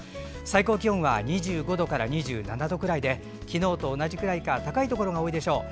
最高気温は２５度から２７度くらいで昨日と同じくらいか高いところが多いでしょう。